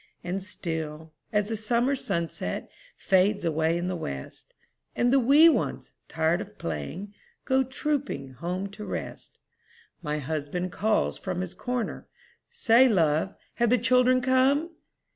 And still, as the summer sunset Fades away in the west, And the wee ones, tired of playing, Go trooping home to rest, My husband calls from his corner, "Say, love, have the children come?"